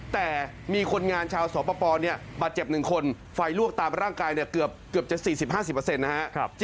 แต่มีคนงานชาวสวปปบาดเจ็บ๑คนไฟลวกตามร่างกายเกือบจะ๔๐๕๐นะครับ